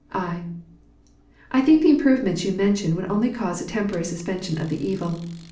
I. I think the improvements you mention would only cause a temporary suspension of the evil.